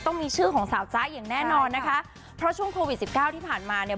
ต้องมีชื่อของสาวจ๊ะอย่างแน่นอนนะคะเพราะช่วงโควิดสิบเก้าที่ผ่านมาเนี่ย